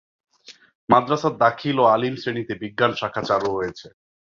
মাদ্রাসার দাখিল ও আলিম শ্রেণীতে বিজ্ঞান শাখা চালু রয়েছে।